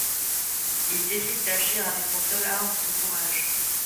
Il décide d'agir avec pour seul arme son courage.